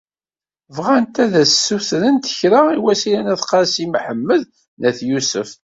Bɣant ad as-ssutrent kra i Wasila n Qasi Mḥemmed n At Yusef.